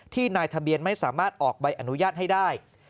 นายทะเบียนไม่สามารถออกใบอนุญาตให้ได้